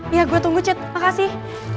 iya gue tunggu cet makasih